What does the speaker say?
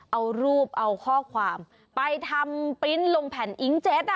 เอารูปเอาข้อความไปทำปริ้นต์ลงแผ่นอิงเจ็ต